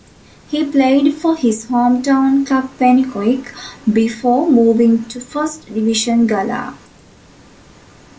He played for his hometown club Penicuik, before moving to First Division Gala.